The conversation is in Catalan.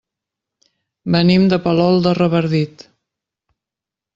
Venim de Palol de Revardit.